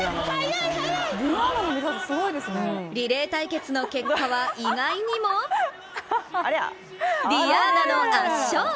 リレー対決の結果は意外にもｄｉａｎａの圧勝。